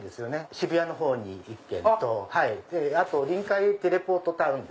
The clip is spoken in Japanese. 渋谷の方に１軒とあとりんかいテレポートタウン。